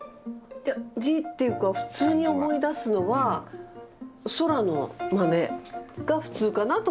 いや字っていうか普通に思い出すのは空の豆が普通かなと思ってた。